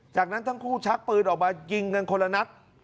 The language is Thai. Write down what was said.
จากนั้นทั้งคู่ชักปืนออกมายิงกันคนละนัด